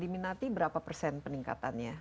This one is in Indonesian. diminati berapa persen peningkatannya